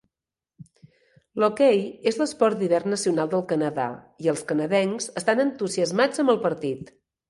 L'hoquei és l'esport d'hivern nacional del Canadà i els canadencs estan entusiasmats amb el partit.